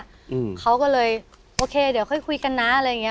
อืมเขาก็เลยโอเคเดี๋ยวค่อยคุยกันนะอะไรอย่างเงี้